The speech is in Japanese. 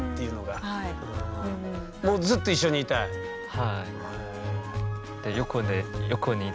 はい。